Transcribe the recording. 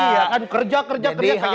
iya kan kerja kerja